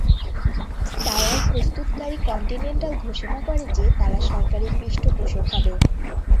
Tyre প্রস্তুতকারী Continental ঘোষণা করে যে তারা সরকারি পৃষ্ঠপোষক হবে।